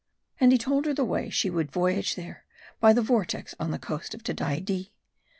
And he told her the way she would voyage there : by the vortex on the coast of Tedaidee.